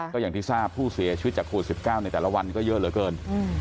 ก็อย่างที่ทราบผู้เสียชีวิตจากโควิด๑๙ในแต่ละวันก็เยอะเหลือเกิน